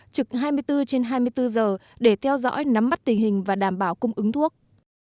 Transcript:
trực hai mươi bốn trên hai mươi bốn giờ để theo dõi nắm mắt tình hình và đảm bảo cung ứng thuốc